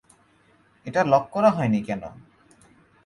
এটা লক করা হয় নি কেন?